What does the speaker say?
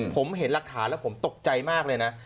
ผมเห็นหลักฐานแล้วผมตกใจมากเลยนะ